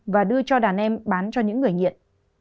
và đưa cho đàn em bán cho những người nghiện